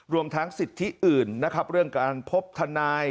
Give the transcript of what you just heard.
รวมทั้งสิทธิอื่นนะครับเรื่องการพบทนาย